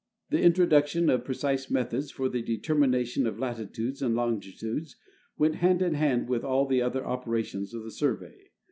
The introduction of precise methods for the determination of latitudes and longitudes went hand in hand with all the other operations of the Survey.